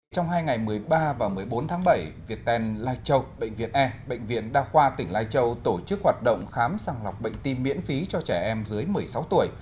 trong hai ngày một mươi ba và một mươi bốn tháng bảy việt tèn lai châu bệnh viện e bệnh viện đa khoa tỉnh lai châu tổ chức hoạt động khám sàng lọc bệnh tim miễn phí cho trẻ em dưới một mươi sáu tuổi